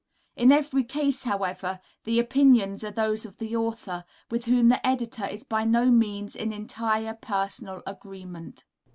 In every case, however, the opinions are those of the author, with whom the editor is by no means in entire personal agreement.